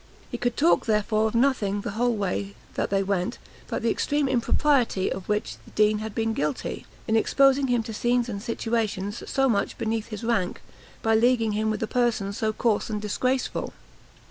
He could talk, therefore, of nothing the whole way that they went, but the extreme impropriety of which the Dean of had been guilty, in exposing him to scenes and situations so much beneath his rank, by leaguing him with a person so coarse and disgraceful.